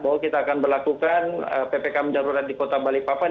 bahwa kita akan berlakukan ppkm darurat di kota balikpapan